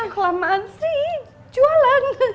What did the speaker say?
kelamaan sri jualan